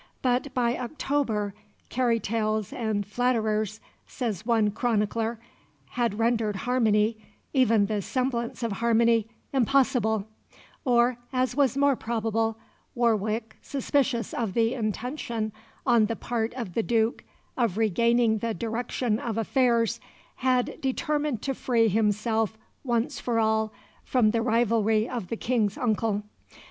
But by October "carry tales and flatterers," says one chronicler, had rendered harmony even the semblance of harmony impossible; or, as was more probable, Warwick, suspicious of the intention on the part of the Duke of regaining the direction of affairs, had determined to free himself once for all from the rivalry of the King's uncle.